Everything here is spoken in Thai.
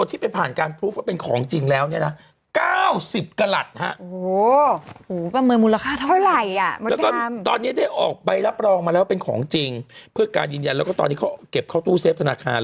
ปีสองพันห้าร้อยห้าสิบสี่อ๋อแล้วก็ได้ซื้อหอยกระโจงโดงว่ะ